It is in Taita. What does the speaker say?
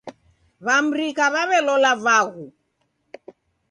W'amrika w'aw'elola vaghu